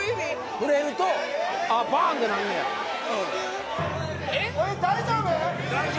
触れるとうんああバーンってなんねや・大丈夫？